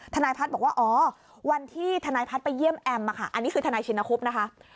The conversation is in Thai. ทนายพัฒน์บอกว่าอ๋อวันที่ทนายพัฒน์ไปเยี่ยมแอมอันนี้คือทนายชินคุบนะคะ